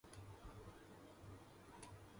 خذ من حياتك للممات الآتي